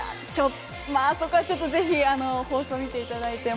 そこはぜひ放送を見ていただいて。